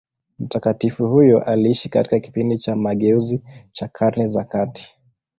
Mtakatifu huyo aliishi katika kipindi cha mageuzi cha Karne za kati.